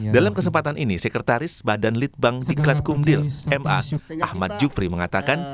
dalam kesempatan ini sekretaris badan litbang diklatkumdil ma ahmad yufri mengatakan